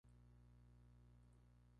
Ha sido presentado en dos giras.